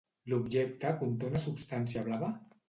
L'objecte conté una substància blava?